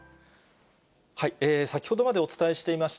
先ほどまでお伝えしていまし